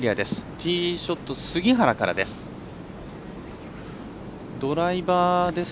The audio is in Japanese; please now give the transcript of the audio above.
ティーショット、杉原からです。